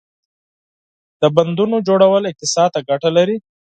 • د بندونو جوړول اقتصاد ته ګټه لري.